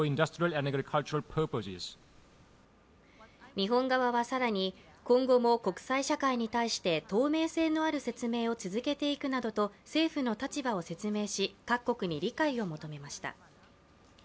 日本側は更に、今後も国際社会に対して透明性のある説明を続けていくなどと政府の立場を説明し、各国に理解を求めました。